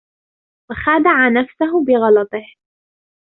وَخَادَعَ نَفْسَهُ بِغَلَطِهِ